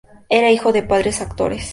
Era hijo de padres actores.